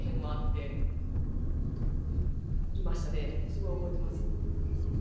すごい覚えてます。